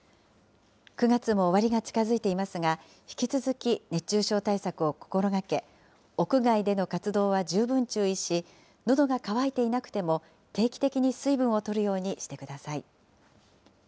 ９月も終わりが近づいていますが、引き続き熱中症対策を心がけ、屋外での活動は十分注意し、のどが渇いていなくても定期的に水分をとるようにしてください。